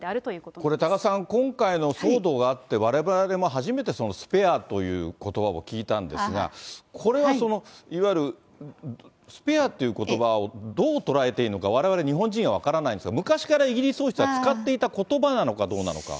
これ、多賀さん、今回の騒動があって、われわれも初めて、そのスペアということばを聞いたんですが、これはその、いわゆるスペアということばをどう捉えていいのか、われわれ、日本人は分からないんですが、昔からイギリス王室は使っていたことばなのかどうなのか。